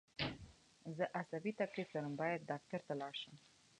زه عصابي تکلیف لرم باید ډاکټر ته لاړ شم